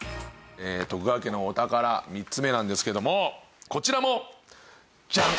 徳川家のお宝３つ目なんですけどもこちらもジャン！